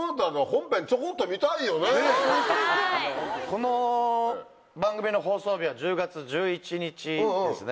この番組の放送日は１０月１１日ですね。